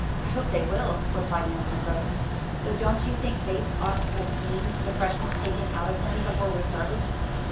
"I hope they will," replied Miss McCroke; "but don't you think Bates ought to have seen the freshness taken out of them before we started?"